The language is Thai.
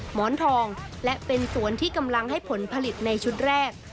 หมอนทองและเป็นสวนที่กำลังให้ผลผลิตในชุดแรก